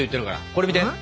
これ見て！